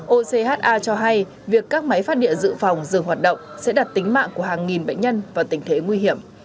ocha cho hay việc các máy phát điện dự phòng dừng hoạt động sẽ đặt tính mạng của hàng nghìn bệnh nhân vào tình thế nguy hiểm